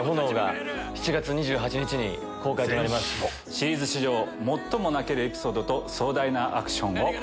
シリーズ史上最も泣けるエピソードと壮大なアクションを。